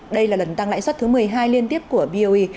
đây là lần tăng lãi suất thứ một mươi hai liên tiếp của boe